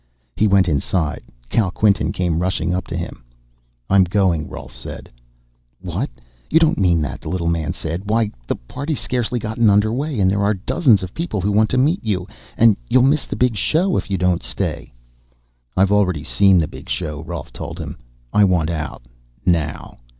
He went inside. Kal Quinton came rushing up to him. "I'm going," Rolf said. "What? You don't mean that," the little man said. "Why, the party's scarcely gotten under way, and there are dozens of people who want to meet you. And you'll miss the big show if you don't stay." "I've already seen the big show," Rolf told him. "I want out. Now."